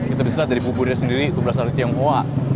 kita bisa lihat dari buburnya sendiri itu berasal dari tionghoa